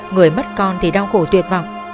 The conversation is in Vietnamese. người mất con thì đau khổ tuyệt vọng